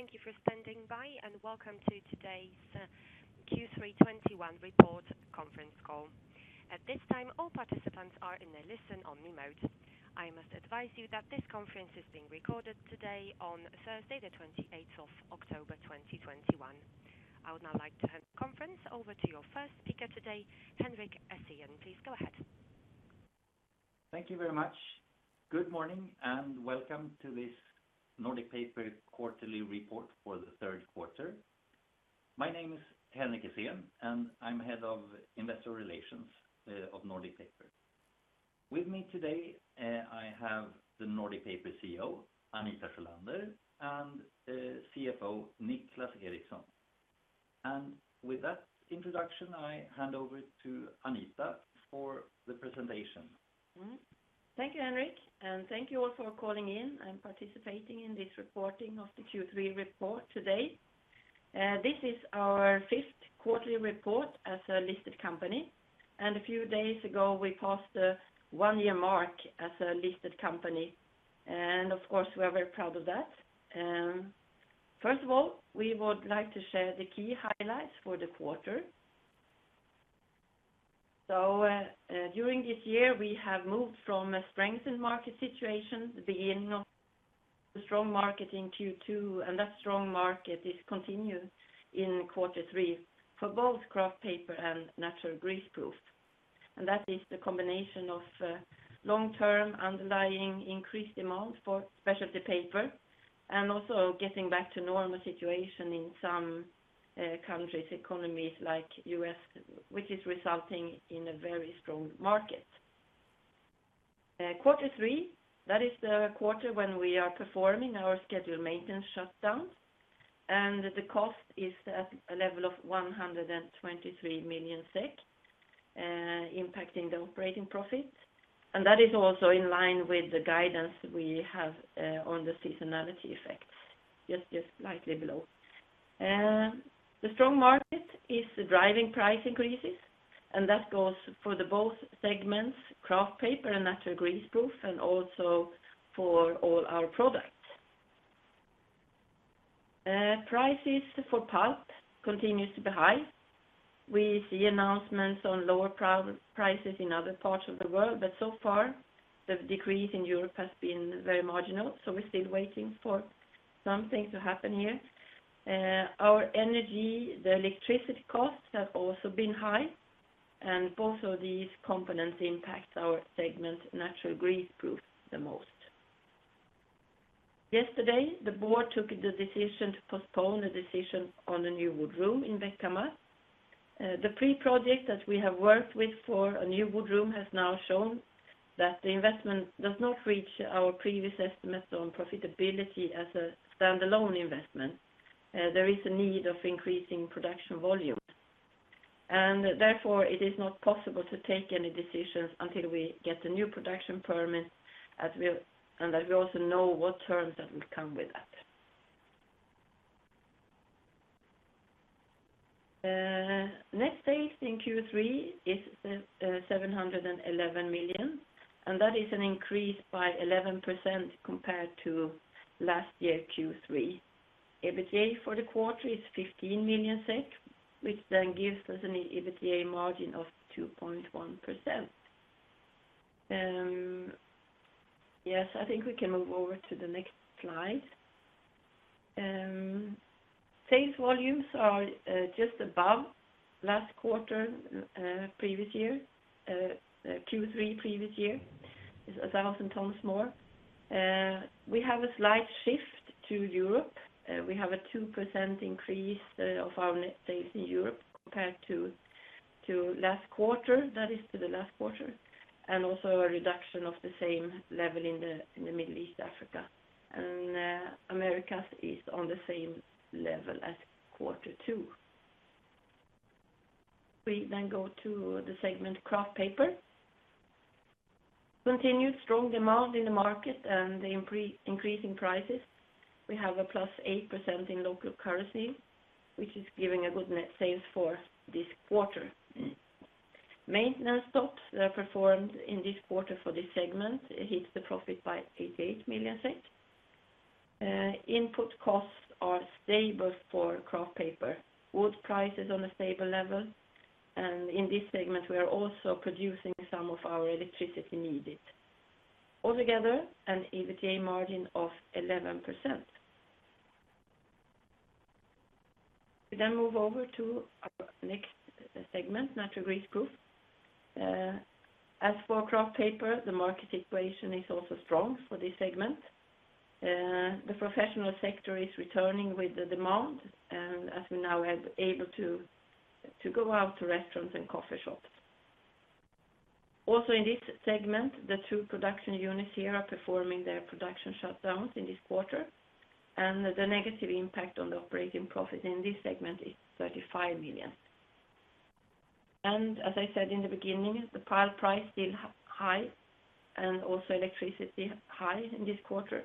Thank you for standing by, and welcome to today's Q3 2021 report conference call. At this time, all participants are in a listen-only mode. I must advise you that this conference is being recorded today on Thursday, the 28th of October, 2021. I would now like to hand the conference over to your first speaker today, Henrik Essén. Please go ahead. Thank you very much. Good morning, and welcome to this Nordic Paper quarterly report for the third quarter. My name is Henrik Essén, and I'm Head of Investor Relations of Nordic Paper. With me today, I have the Nordic Paper CEO, Anita Sjölander, and CFO Niclas Eriksson. With that introduction, I hand over to Anita for the presentation. Thank you, Henrik, and thank you all for calling in and participating in this reporting of the Q3 report today. This is our fifth quarterly report as a listed company, and a few days ago, we passed the one-year mark as a listed company. Of course, we are very proud of that. First of all, we would like to share the key highlights for the quarter. During this year, we have moved from a strengthened market situation at the beginning of the strong market in Q2, and that strong market is continued in quarter three for both kraft paper and Natural Greaseproof. That is the combination of long-term underlying increased demand for specialty paper and also getting back to normal situation in some countries' economies, like the U.S., which is resulting in a very strong market. Quarter three, that is the quarter when we are performing our scheduled maintenance shutdowns, and the cost is at a level of 123 million SEK, impacting the operating profit. That is also in line with the guidance we have on the seasonality effects, just slightly below. The strong market is driving price increases, and that goes for the both segments, kraft paper and Natural Greaseproof, and also for all our products. Prices for pulp continues to be high. We see announcements on lower prices in other parts of the world, but so far, the decrease in Europe has been very marginal, so we're still waiting for something to happen here. Our energy, the electricity costs have also been high, and both of these components impact our segment Natural Greaseproof the most. Yesterday, the board took the decision to postpone the decision on the new wood room in Bäckhammar. The pre-project that we have worked with for a new wood room has now shown that the investment does not reach our previous estimates on profitability as a standalone investment. There is a need of increasing production volume. Therefore, it is not possible to take any decisions until we get the new production permit, and that we also know what terms that will come with that. Net sales in Q3 is 711 million SEK, and that is an increase by 11% compared to last year Q3. EBITDA for the quarter is 15 million SEK, which then gives us an EBITDA margin of 2.1%. Yes, I think we can move over to the next slide. Sales volumes are just above last quarter previous year Q3 previous year. It's 1,000 tons more. We have a slight shift to Europe. We have a 2% increase of our net sales in Europe compared to last quarter, that is to the last quarter, and also a reduction of the same level in the Middle East, Africa. Americas is on the same level as quarter two. We then go to the segment kraft paper. Continued strong demand in the market and the increasing prices. We have a +8% in local currency, which is giving a good net sales for this quarter. Maintenance stops that are performed in this quarter for this segment hits the profit by 88 million. Input costs are stable for kraft paper. Wood price is on a stable level. In this segment, we are also producing some of our electricity needed. Altogether, an EBITDA margin of 11%. We then move over to our next segment, Natural Greaseproof. As for kraft paper, the market situation is also strong for this segment. The professional sector is returning with the demand, and as we now are able to go out to restaurants and coffee shops. Also in this segment, the two production units here are performing their production shutdowns in this quarter, and the negative impact on the operating profit in this segment is 35 million. As I said in the beginning, the pulp price still high, and also electricity high in this quarter.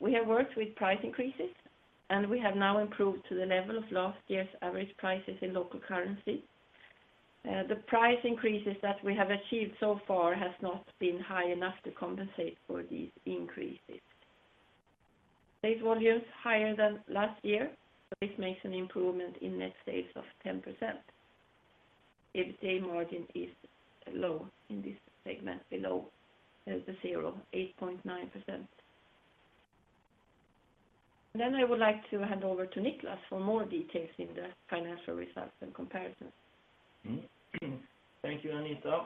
We have worked with price increases, and we have now improved to the level of last year's average prices in local currency. The price increases that we have achieved so far has not been high enough to compensate for these increases. These volumes higher than last year, this makes an improvement in net sales of 10%. EBITDA margin is low in this segment, below 0.89%. I would like to hand over to Niclas for more details in the financial results and comparisons. Thank you, Anita.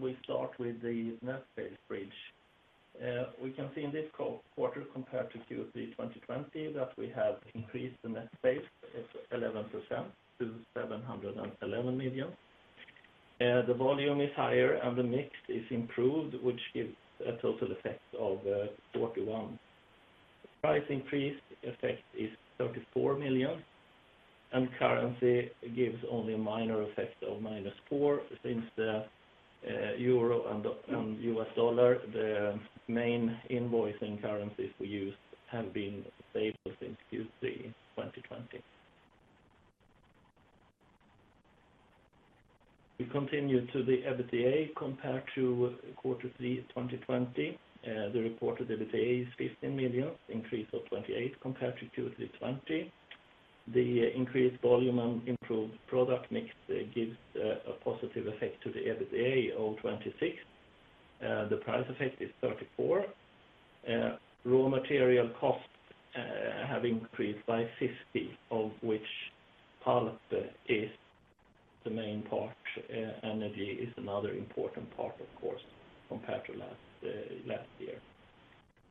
We start with the net sales bridge. We can see in this quarter compared to Q3 2020 that we have increased the net sales 11% to 711 million. The volume is higher, and the mix is improved, which gives a total effect of 41 million. Price increase effect is 34 million, and currency gives only a minor effect of -4 million, since the euro and the US dollar, the main invoicing currencies we use, have been stable since Q3 2020. We continue to the EBITDA compared to Q3 2020. The reported EBITDA is 15 million, increase of 28 million compared to Q3 2020. The increased volume and improved product mix gives a positive effect to the EBITDA of 26 million. The price effect is 34 million. Raw material costs have increased by 50 million, of which pulp is the main part. Energy is another important part, of course, compared to last year.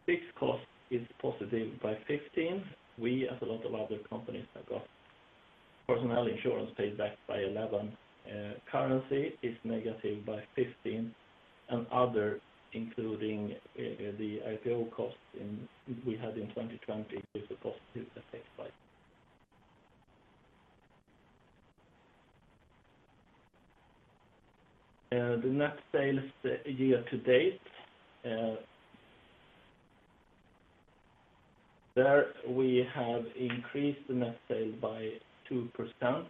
Fixed cost is positive by 15 million. We, as a lot of other companies, have got personnel insurance paid back by 11 million. Currency is negative by 15 million, and other, including the IPO costs we had in 2020, is a positive effect. The net sales year-to-date, there we have increased the net sales by 2% on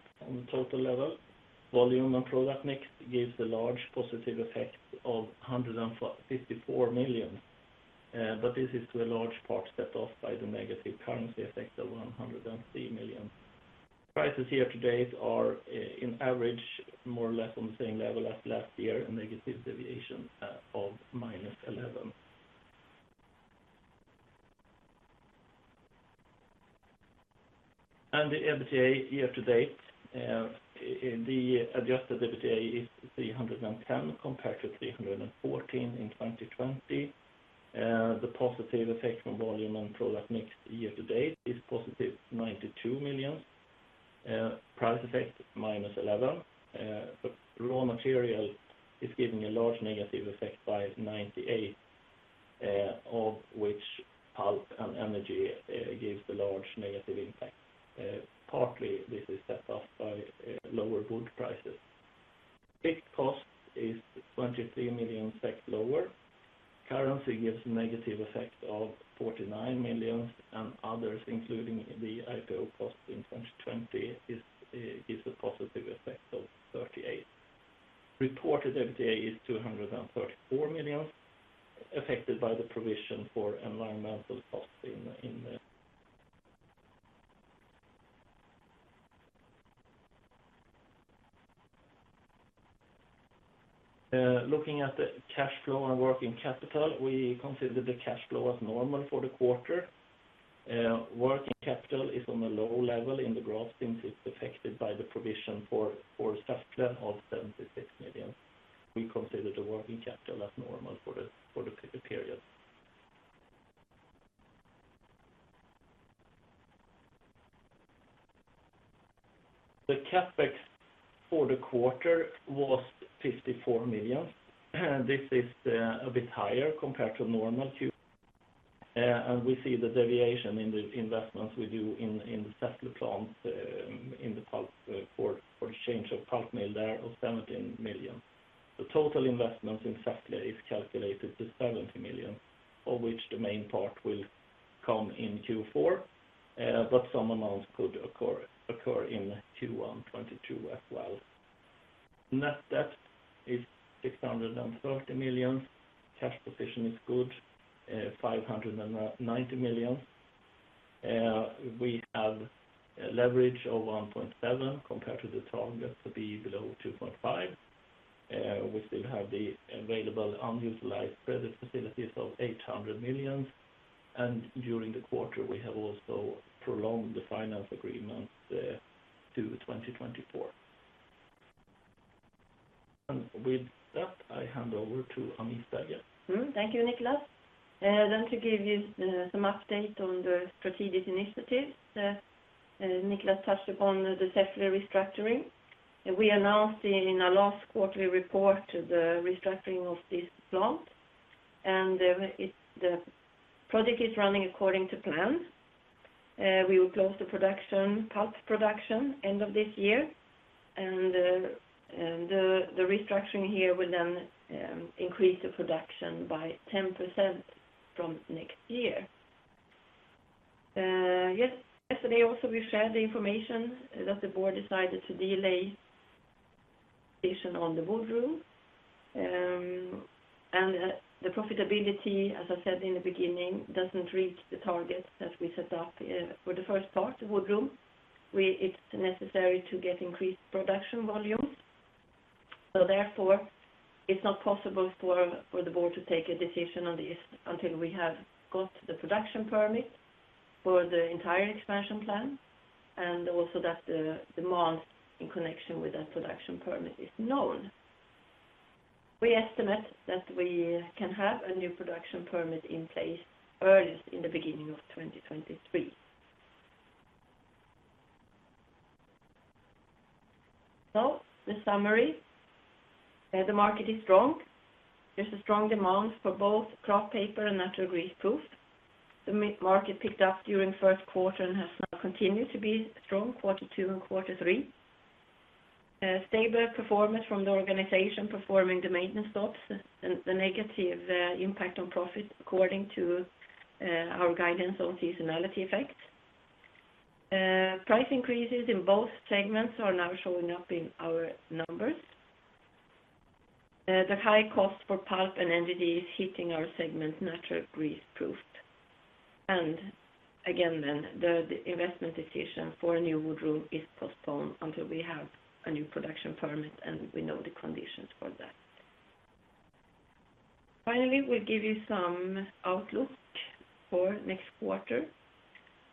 the total level. Volume and product mix gives a large positive effect of 154 million, but this is to a large part set off by the negative currency effect of 103 million. Prices year-to-date are in average more or less on the same level as last year, a negative deviation of -11%. The adjusted EBITDA year-to-date is 310 compared to 314 in 2020. The positive effect from volume and product mix year-to-date is positive 92 million. Price effect -11 million, but raw material is giving a large negative effect of -98 million, of which pulp and energy gives the large negative impact. Partly this is set off by lower wood prices. Fixed cost is 23 million SEK lower. Currency gives negative effect of -49 million, and others, including the IPO cost in 2020, gives a positive effect of 38 million. Reported EBITDA is 234 million, affected by the provision for environmental costs in... Looking at the cash flow and working capital, we consider the cash flow as normal for the quarter. Working capital is on a low level in the graph since it's affected by the provision for Säffle of 76 million. We consider the working capital as normal for the period. The CapEx for the quarter was 54 million. This is a bit higher compared to normal, and we see the deviation in the investments we do in the Säffle plant, in the pulp for the change of pulp mill there of 17 million. The total investments in Säffle is calculated to 70 million, of which the main part will come in Q4, but some amounts could occur in Q1 2022 as well. Net debt is 630 million. Cash position is good, 590 million. We have a leverage of 1.7 compared to the target to be below 2.5. We still have the available unutilized credit facilities of 800 million, and during the quarter, we have also prolonged the finance agreement to 2024. With that, I hand over to Anita again. Thank you, Niclas. To give you some update on the strategic initiatives, Niclas touched upon the Säffle restructuring. We announced in our last quarterly report the restructuring of this plant, and the project is running according to plan. We will close the pulp production end of this year, and the restructuring here will then increase the production by 10% from next year. Yesterday also we shared the information that the board decided to delay on the wood room. The profitability, as I said in the beginning, doesn't reach the targets that we set up for the first part, the wood room. It's necessary to get increased production volumes. Therefore, it's not possible for the board to take a decision on this until we have got the production permit for the entire expansion plan, and also that the demand in connection with that production permit is known. We estimate that we can have a new production permit in place earliest in the beginning of 2023. The summary, the market is strong. There's a strong demand for both kraft paper and natural greaseproof. The market picked up during first quarter and has now continued to be strong, quarter two and quarter three. Stable performance from the organization performing the maintenance shutdowns, and the negative impact on profit according to our guidance on seasonality effects. Price increases in both segments are now showing up in our numbers. The high cost for pulp and energy is hitting our segment Natural Greaseproof. Again, the investment decision for a new wood room is postponed until we have a new production permit, and we know the conditions for that. Finally, we give you some outlook for next quarter.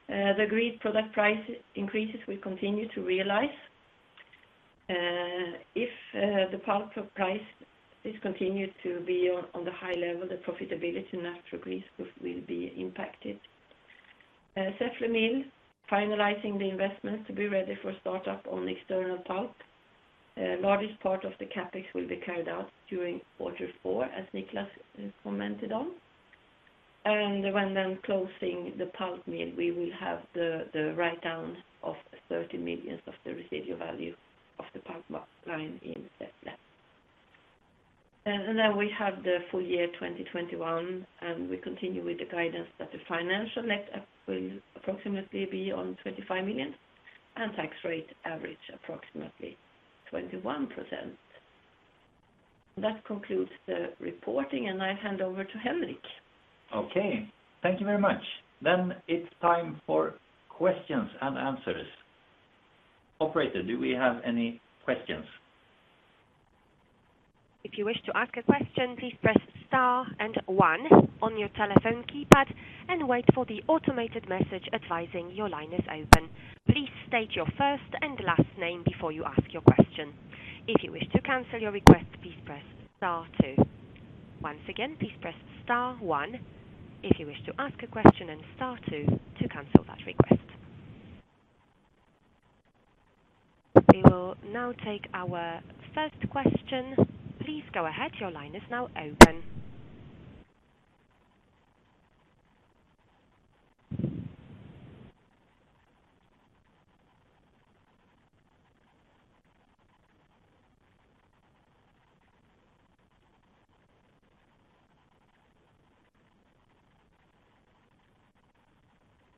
The agreed product price increases will continue to realize. If the pulp price is continued to be on the high level, the profitability in Natural Greaseproof will be impacted. The Säffle mill is finalizing the investment to be ready for startup on external pulp. The largest part of the CapEx will be carried out during quarter four, as Niclas commented on. When closing the pulp mill, we will have the write-down of 30 million of the residual value of the pulp line in Säffle mill. We have the full year 2021, and we continue with the guidance that the financial net will approximately be on 25 million, and tax rate average approximately 21%. That concludes the reporting, and I hand over to Henrik Essén. Okay. Thank you very much. It's time for questions and answers. Operator, do we have any questions? We will now take our first question. Please go ahead. Your line is now open.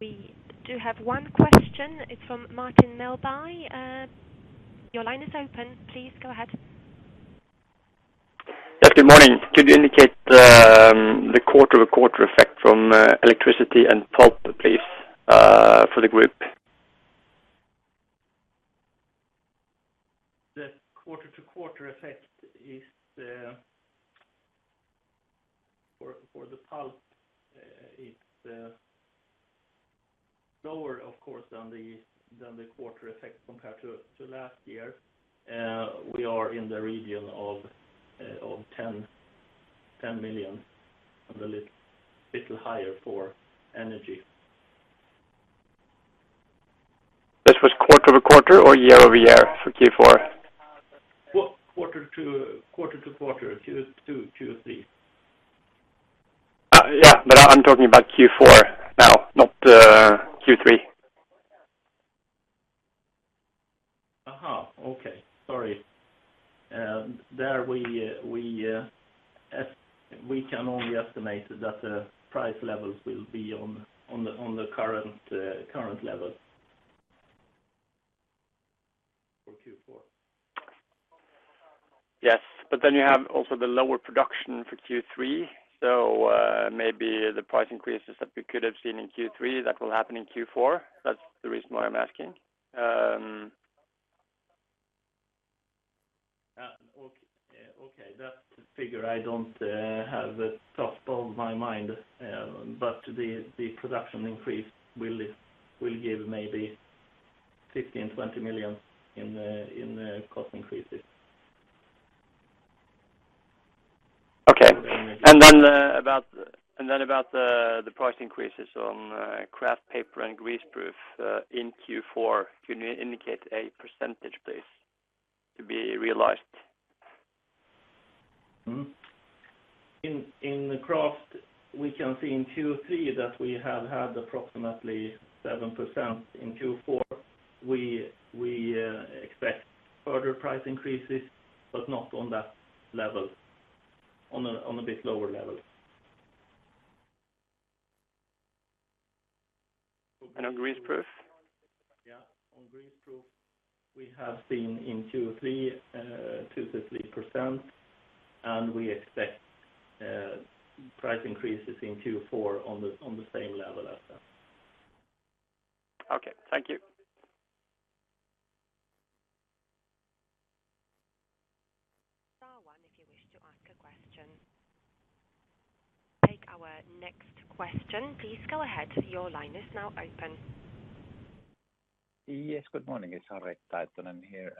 We do have one question. It's from Martin Melbye. Your line is open. Please go ahead. Yes, good morning. Could you indicate the quarter to quarter effect from electricity and pulp, please, for the group? The quarter-to-quarter effect is for the pulp. It's lower of course than the quarter effect compared to last year. We are in the region of 10 million, a little higher for energy. This was quarter-to-quarter or year-over-year for Q4? Quarter-to-quarter, Q2, Q3. Yeah, I'm talking about Q4 now, not Q3. We can only estimate that the price levels will be on the current level. For Q4. Yes, you have also the lower production for Q3. Maybe the price increases that we could have seen in Q3, that will happen in Q4. That's the reason why I'm asking. That figure I don't have it top of my mind, but the production increase will give maybe 15 million-20 million in the cost increases. Okay. About the price increases on kraft paper and greaseproof in Q4, can you indicate a percentage please, to be realized? Mm-hmm. In the kraft, we can see in Q3 that we have had approximately 7%. In Q4, we expect further price increases, but not on that level. On a bit lower level. On greaseproof? Yeah. On greaseproof, we have seen in Q3 2%-3%, and we expect price increases in Q4 on the same level as that. Okay. Thank you. Star one if you wish to ask a question. Take our next question. Please go ahead. Your line is now open. Yes, good morning. It's Harri Taittonen here.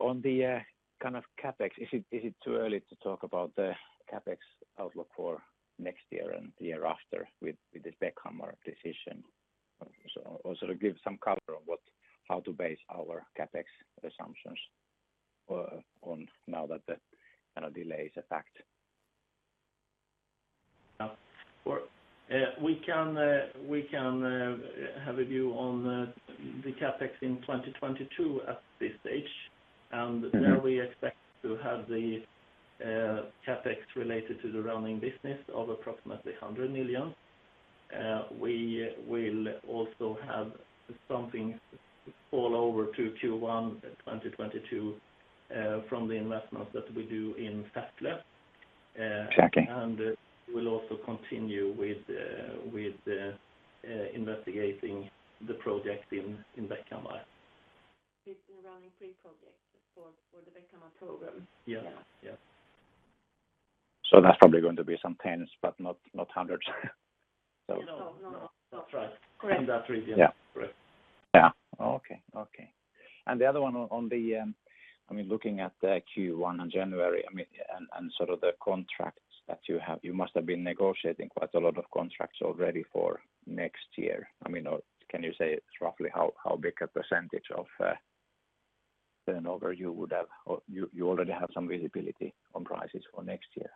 On the kind of CapEx, is it too early to talk about the CapEx outlook for next year and the year after with this Bäckhammar decision? Also to give some color on how to base our CapEx assumptions on now that the kind of delay is a fact. We can have a view on the CapEx in 2022 at this stage. Mm-hmm. There we expect to have the CapEx related to the running business of approximately 100 million. We will also have something fall over to Q1 2022 from the investments that we do in Säffle. Okay. We'll also continue with investigating the project in Bäckhammar. With the running pre-project for the Bäckhammar program. Yeah. Yeah. Yeah. That's probably going to be some tens but not hundreds. No, no. That's right. Correct. In that region. Yeah. Correct. Okay. The other one on the, I mean, looking at the Q1 in January, I mean, and sort of the contracts that you have, you must have been negotiating quite a lot of contracts already for next year. I mean, or can you say roughly how big a percentage of turnover you would have or you already have some visibility on prices for next year?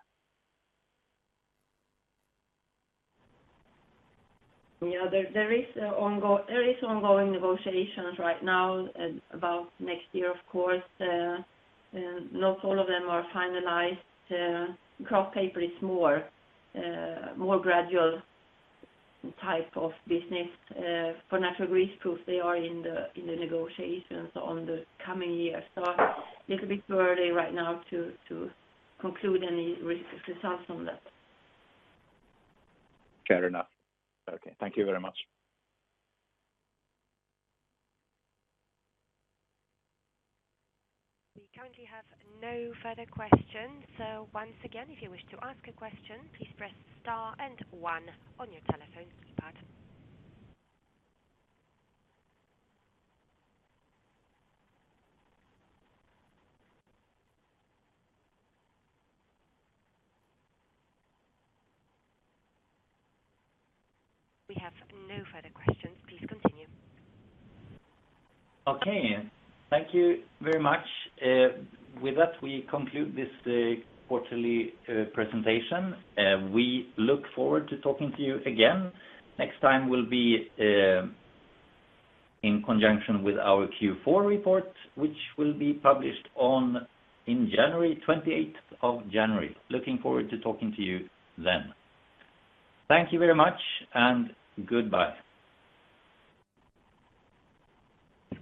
Yeah. There is ongoing negotiations right now about next year, of course. Not all of them are finalized. Kraft paper is more gradual type of business. For Natural Greaseproof, they are in the negotiations on the coming year. A little bit early right now to conclude any results from that. Fair enough. Okay. Thank you very much. We currently have no further questions. So once again, if you wish to ask a question, please press star and one on your telephone keypad. We have no further questions. Please continue. Okay. Thank you very much. With that, we conclude this quarterly presentation. We look forward to talking to you again. Next time will be in conjunction with our Q4 report, which will be published on the twenty-eighth of January. Looking forward to talking to you then. Thank you very much, and goodbye.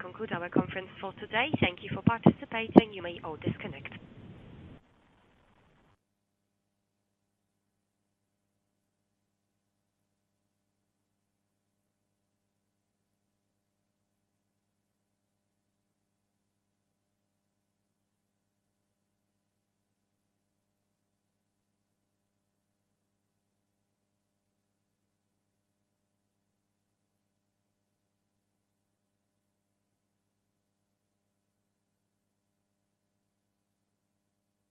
This concludes our conference for today. Thank you for participating. You may all disconnect.